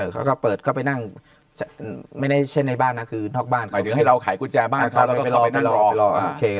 เขาก็เปิดเข้าไปนั่งไม่ได้เช่นในบ้านนะคือท็อกบ้านให้เราขายกุญแจบ้านเขา